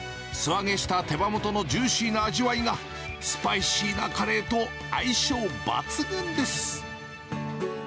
素揚げした手羽元のジューシーな味わいがスパイシーなカレーと相性抜群です。